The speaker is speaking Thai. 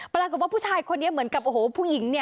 ปรากฏว่าผู้ชายคนนี้เหมือนกับโอ้โหผู้หญิงเนี่ย